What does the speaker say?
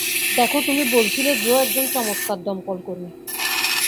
দেখো, তুমি বলেছিলে জো একজন চমৎকার দমকলকর্মী।